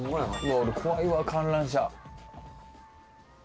俺怖いわ観覧車。